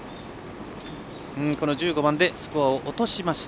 １５番でスコアを落としました。